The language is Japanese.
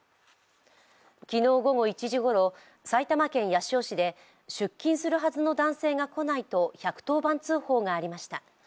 昨日午後１時ごろ埼玉県八潮市で出勤するはずの男性が来ないと１１０番通報がありました。